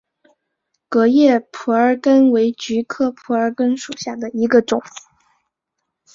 革叶蒲儿根为菊科蒲儿根属下的一个种。